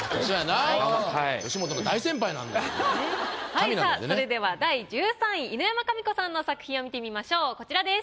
はいさぁそれでは第１３位犬山紙子さんの作品を見てみましょうこちらです。